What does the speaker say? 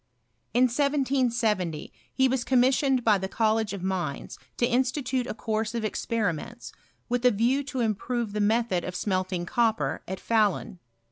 In 1770 he was commissioned by the College of Mines to institute a course of experiments, with a view to improve the method of smelting copper, at Fahlun.